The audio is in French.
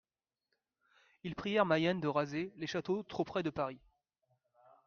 Ils prièrent Mayenne de raser les châteaux trop près de Paris.